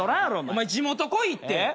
お前地元来いって。